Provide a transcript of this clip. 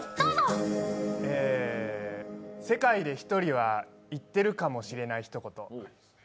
世界で１人は言ってるかもしれないひと言。